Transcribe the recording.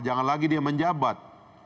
jangan lagi dia menjabat